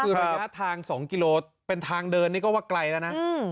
คือระยะทาง๒กิโลเป็นทางเดินนี่ก็ว่าไกลแล้วนะ